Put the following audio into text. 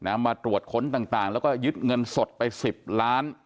มาตรวจค้นต่างต่างแล้วก็ยึดเงินสดไปสิบล้าน